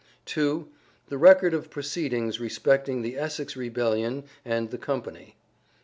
(2) The record of proceedings respecting the Essex Rebellion and the company.